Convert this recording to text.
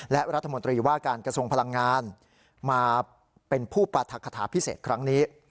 และรัฐมนตรีว่าการกระทรวงพลังงานมาเป็นผู้ปรัฐคาถาพิเศษครั้งนี้